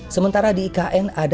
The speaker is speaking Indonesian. sementara di ikn ada di titik nol